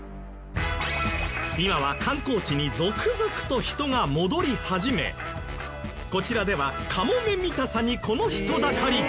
今は観光地に続々と人が戻り始めこちらではカモメ見たさにこの人だかり。